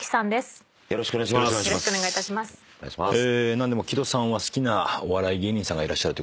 何でも木戸さんは好きなお笑い芸人さんがいらっしゃると。